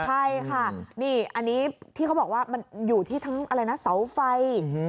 ใช่ค่ะนี่อันนี้ที่เขาบอกว่ามันอยู่ทั้งสาวไฟ